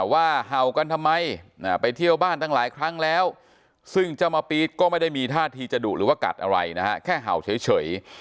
เห่ากันทำไมไปเที่ยวบ้านตั้งหลายครั้งแล้วซึ่งเจ้ามะปี๊ดก็ไม่ได้มีท่าทีจะดุหรือว่ากัดอะไรนะฮะแค่เห่าเฉย